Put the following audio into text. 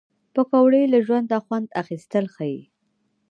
پکورې له ژونده خوند اخیستل ښيي